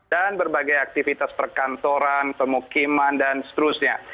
dan berbagai aktivitas perkantoran pemukiman dan seterusnya